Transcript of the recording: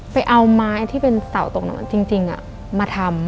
เอาไม้ที่เป็นเสาตกหนอนจริงมาทำ